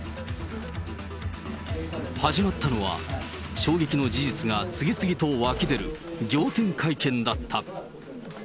始まったのは、衝撃の事実が次々と湧き出る仰天会見だった。